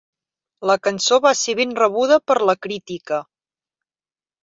La cançó va ser ben rebuda per la crítica.